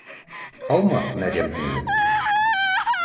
— һаумы, Мәрйәм һеңлем